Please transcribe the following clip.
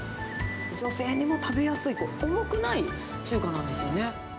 女性にも食べやすい、重くない中華なんですよね。